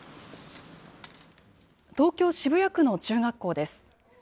東京・渋谷区の中学校です。